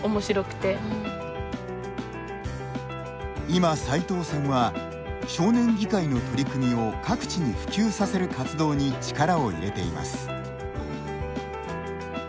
今、齋藤さんは少年議会の取り組みを各地に普及させる活動に力を入れています。